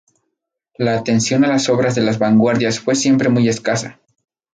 La atención a las obras de las vanguardias fue siempre muy escasa.